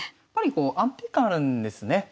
やっぱりこう安定感あるんですね